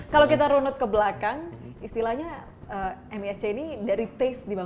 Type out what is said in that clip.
kalau kita runut ke belakang istilahnya misc ini dari tiga tahun ke depan